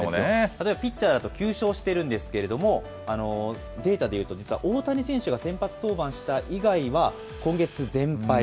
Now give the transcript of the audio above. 例えばピッチャーだと９勝しているんですけれども、データでいうと、実は大谷選手が先発登板した以外は、今月全敗。